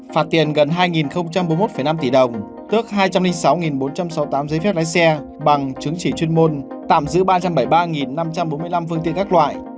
phạt tiền gần hai bốn mươi một năm tỷ đồng tước hai trăm linh sáu bốn trăm sáu mươi tám giấy phép lái xe bằng chứng chỉ chuyên môn tạm giữ ba trăm bảy mươi ba năm trăm bốn mươi năm phương tiện các loại